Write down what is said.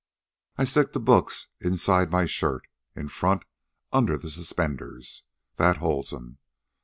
I stick the books inside my shirt, in front, under the suspenders. That holds 'em.